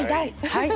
はい。